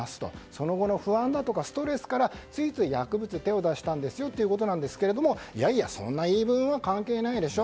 その後の不安とかストレスからついつい薬物に手を出したということなんですけどもいやいや、そんな言い分は関係ないでしょ。